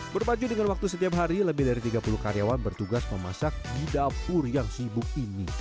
berpacu dengan waktu setiap hari lebih dari tiga puluh karyawan bertugas memasak di dapur yang sibuk ini